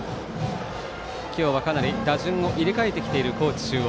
今日はかなり打順を入れ替えてきている高知中央。